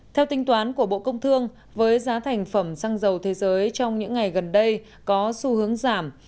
theo tính toán của bộ công thương với giá thành phẩm xăng dầu thế giới trong những ngày gần đây có xu hướng giảm